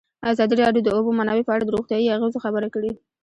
ازادي راډیو د د اوبو منابع په اړه د روغتیایي اغېزو خبره کړې.